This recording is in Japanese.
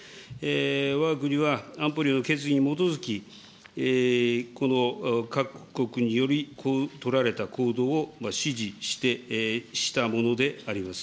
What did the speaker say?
わが国は安保理の決議に基づき、この各国により取られた行動を支持したものであります。